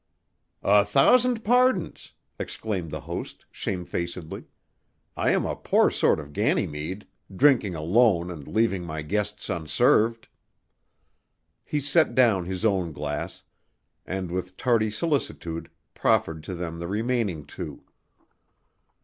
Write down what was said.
"A thousand pardons!" exclaimed the host, shamefacedly. "I am a poor sort of Ganymede drinking alone and leaving my guests unserved!" He set down his own glass, and with tardy solicitude proffered to them the remaining two.